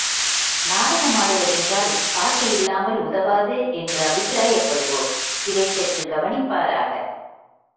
நாடகமாடுவதென்றால் பாட்டு இல்லாமல் உதவாது என்று அபிப்பிராயப்படுவோர் இதைச் சற்றுக் கவனிப்பாராக.